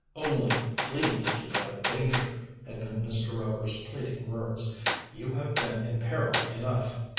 "Only please keep out of danger," had been Mr. Rover's pleading words. "You have been in peril enough."